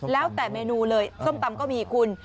แล้วแต่เมนูเลยส้มตำก็มีคุณ